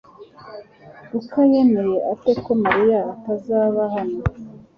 Luka yamenye ate ko Mariya atazaba hano